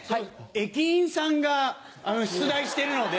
駅員さんが出題してるので。